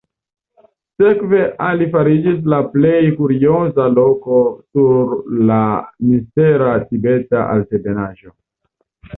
Sekve Ali fariĝis la plej kurioza loko sur la mistera Tibeta Altebenaĵo.